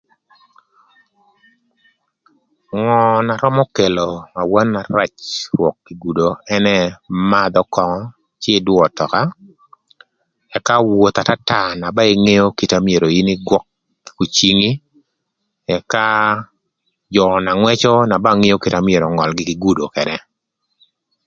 Ngö na römö kelo awano na rac rwök ï gudo ënë madhö köngö cë ïdüö ötöka ëka woth atata na ba ingeo kite na myero in igwök kï kucingi ëka jö na ngwëcö na ba ngeo kite na myero öngöl gïnï gudo ködë